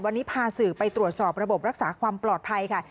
วันนี้พาสื่อไปตรวจสอบระบบรักษาความปลอดภัยค่ะ